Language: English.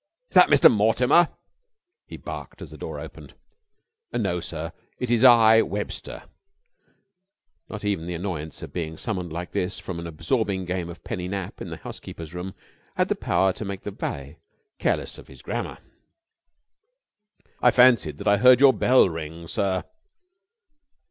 "Is that Mr. Mortimer?" he barked, as the door opened. "No, sir. It is I Webster." Not even the annoyance of being summoned like this from an absorbing game of penny nap in the housekeeper's room had the power to make the valet careless of his grammar. "I fancied that I heard your bell ring, sir."